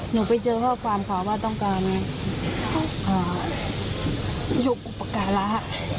หนูไปเจอข้อความขอว่าต้องการเนี่ยอ้ายุคอุปกรณ์ละฮะ